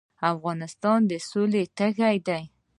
افغانستان د سولې تږی دی